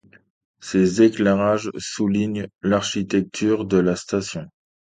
Ces éclairages soulignent l'architecture de la station.